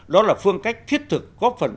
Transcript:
đó là phương cách thiết thực góp phần